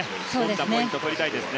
ポイント取りたいですね。